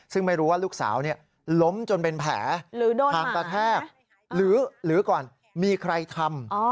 ซึ่งไม่รู้ว่าลูกสาวล้มจนเป็นแผลหรือโดนทางกระแทกหรือก่อนมีใครทำ